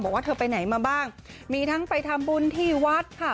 บอกว่าเธอไปไหนมาบ้างมีทั้งไปทำบุญที่วัดค่ะ